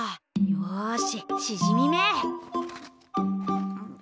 よししじみめ！